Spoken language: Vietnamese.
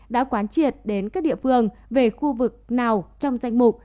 đã quán triệt đến các địa phương về khu vực nào trong danh mục